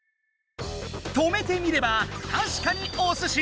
止めて見ればたしかにおすし！